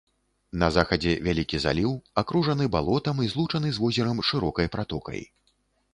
На захадзе вялікі заліў, акружаны балотам і злучаны з возерам шырокай пратокай.